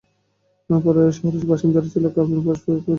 শহরের বাসিন্দারা ছিল কাফির, পাপাসক্ত ও দুষ্কৃতকারী।